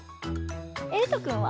えいとくんは？